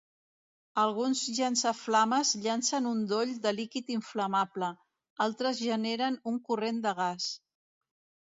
Alguns llançaflames llancen un doll de líquid inflamable; altres generen un corrent de gas.